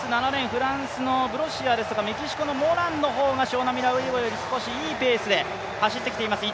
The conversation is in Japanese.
フランスのブロッシアーですがメキシコのモラン選手がショウナ・ミラーウイボより少しいいペースで走ってきています。